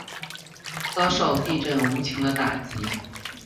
遭受地震无情的打击